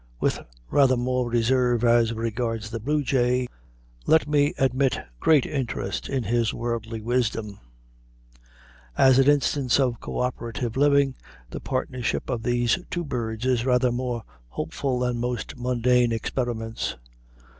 With rather more reserve as regards the bluejay, let me admit great interest in his worldly wisdom. As an instance of co operative living the partnership of these two birds is rather more hopeful than most mundane experiments.